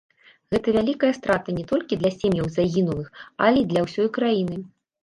Гэта вялікая страта не толькі для сем'яў загінулых, але і для ўсёй краіны.